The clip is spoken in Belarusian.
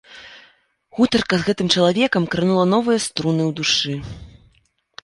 Гутарка з гэтым чалавекам кранула новыя струны ў душы.